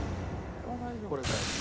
これは大丈夫。